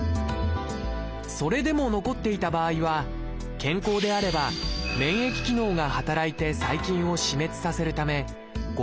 それでも残っていた場合は健康であれば免疫機能が働いて細菌を死滅させるため誤